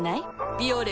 「ビオレ」